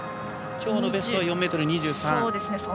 きょうのベストは４ｍ２３。